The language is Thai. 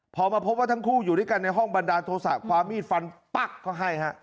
พอมาพบว่าทั้งคู่อยู่ด้วยกันในห้องบันดาลโทษะคว้ามีดฟันปั๊กเขาให้ฮะ